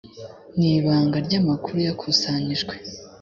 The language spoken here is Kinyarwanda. n ibanga ry amakuru yakusanyijwe